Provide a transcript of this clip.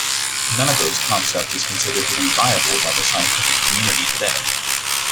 None of those concepts is considered to be viable by the scientific community today.